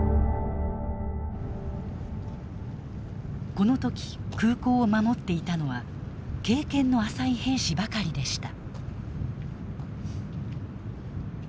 この時空港を守っていたのは経験の浅い兵士ばかりでした。